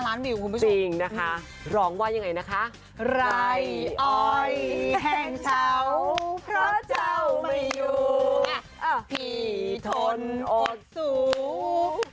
มาต่อสวมเพชรวงใหญ่อยู่ในเมืองกรุง